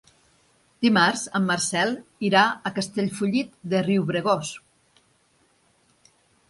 Dimarts en Marcel irà a Castellfollit de Riubregós.